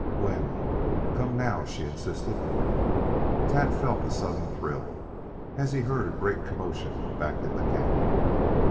"When?" "Come now," she insisted. Tad felt a sudden thrill as he heard a great commotion back in the camp.